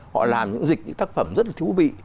họ làm những dịch những tác phẩm rất là thú vị